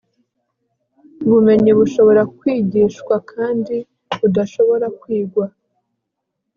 Ubumenyi bushobora kwigishwa kandi budashobora kwigwa